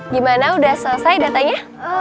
gimana udah selesai datanya